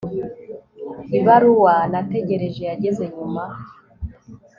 ibaruwa nategereje yageze nyuma